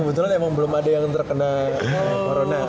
kebetulan emang belum ada yang terkena corona